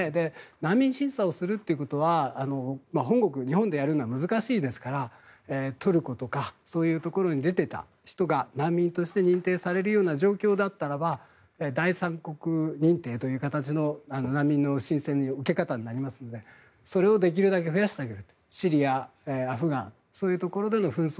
難民審査をするということは本国、日本でやるのは難しいですからトルコとかそういうところに出ていた人が難民として認定されるような状況だったらば第三国認定という形の難民の申請の受け方になりますのでそれをできるだけ増やしてあげる。